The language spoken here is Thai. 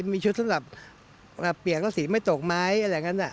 มีชุดสำหรับเปลี่ยนภาษีไม่ตกไหมอะไรอย่างนั้น